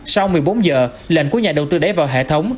sau một mươi bốn giờ lệnh của nhà đầu tư đáy vào hệ thống